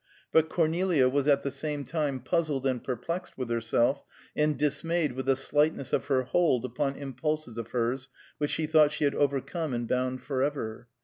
But Cornelia was at the same time puzzled and perplexed with herself, and dismayed with the slightness of her hold upon impulses of hers which she thought she had overcome and bound forever.